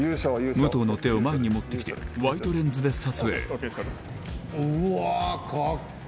武藤の手を前に持ってきてワイドレンズで撮影うわぁ！